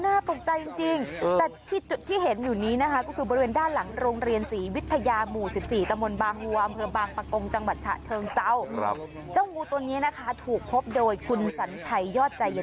นี่เดี๋ยวฉันว่ามันอาจจะเป็นช่วงเวลาที่มันยังไม่ได้กินอะไรนะ